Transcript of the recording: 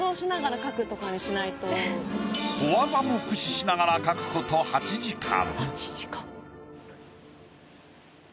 小技も駆使しながら描くこと８時間。